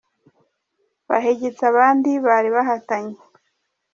wahigitse abandi bari bahatanye.